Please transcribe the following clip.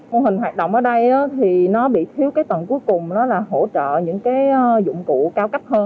mô hình hoạt động ở đây thì nó bị thiếu cái tầng cuối cùng là hỗ trợ những dụng cụ cao cấp hơn